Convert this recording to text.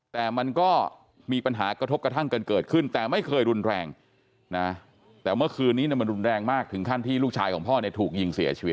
แต่มันก็มีปัญหากระทบกระทั่งกันเกิดขึ้นแต่ไม่เคยรุนแรงนะแต่เมื่อคืนนี้มันรุนแรงมากถึงขั้นที่ลูกชายของพ่อเนี่ยถูกยิงเสียชีวิต